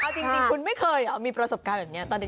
เอาจริงคุณไม่เคยมีประสบการณ์แบบนี้ตอนเด็ก